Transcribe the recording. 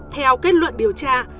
theo kết luận điều tra